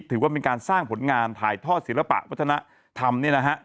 ถือว่าเป็นการสร้างผลงานถ่ายทอดศิลปะวัฒนธรรมเนี่ยนะฮะ